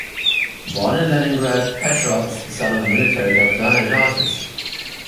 Born in Leningrad, Petrov is the son of a military doctor and an artist.